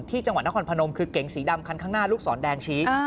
จังหวัดนครพนมคือเก๋งสีดำคันข้างหน้าลูกศรแดงชี้